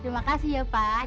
terima kasih ya pak